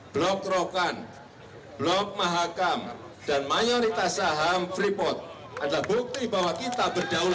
blok rokan blok mahakam dan mayoritas saham freeport adalah bukti bahwa kita berdaulat